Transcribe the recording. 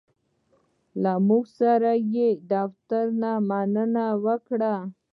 له زمونږ دفتر یې مننه وکړه.